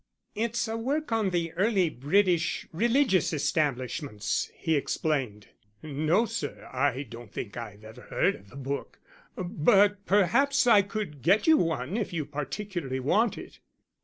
"It's a work on the early British religious establishments," he explained. "No, sir: I don't think I've ever heard of the book. But perhaps I could get you one if you particularly want it."